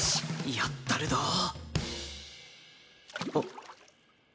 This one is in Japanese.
やったるどぉ！